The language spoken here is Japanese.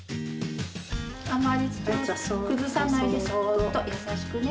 あまり土を崩さないでそっと優しくね。